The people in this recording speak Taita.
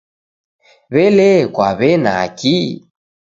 W'ele kwaw'enaki?